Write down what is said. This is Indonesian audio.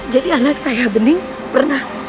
jadi anak saya bening pernah